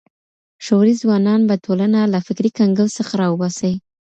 شعوري ځوانان به ټولنه له فکري کنګل څخه راوباسي.